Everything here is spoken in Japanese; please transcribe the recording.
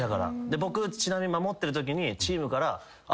僕ちなみに守ってるときにチームから。